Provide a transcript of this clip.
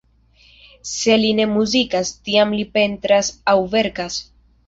Se li ne muzikas, tiam li pentras aŭ verkas.